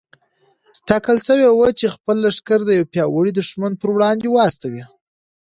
ټاکل شوې وه چې خپل لښکر د يوه پياوړي دښمن پر وړاندې واستوي.